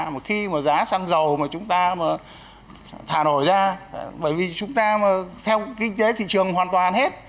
mà khi mà giá xăng dầu mà chúng ta mà thả nổi ra bởi vì chúng ta mà theo kinh tế thị trường hoàn toàn hết